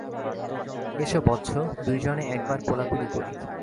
S বৎস, দুই জনে একবার কোলাকুলি করি।